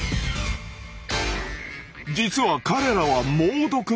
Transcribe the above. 実は彼らは猛毒のタコ。